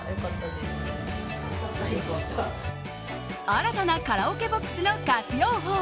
新たなカラオケボックスの活用法。